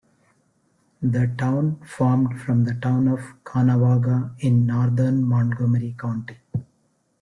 The town formed from the town of Caughnawaga in northern Montgomery County.